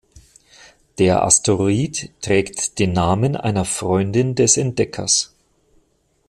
Der Asteroid trägt den Namen einer Freundin des Entdeckers.